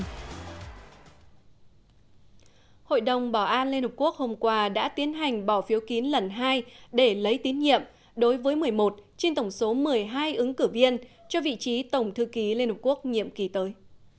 hội đồng bảo an liên hợp quốc hôm qua đã tiến hành bỏ phiếu kín lần hai để lấy tín nhiệm đối với một mươi một trên tổng số một mươi hai ứng cử viên cho vị trí tổng thư ký liên hợp quốc nhiệm kỳ tới